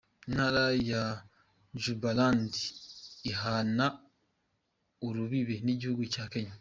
Intara ya Jubaland ihana urubibe n’igihugu ca Kenya.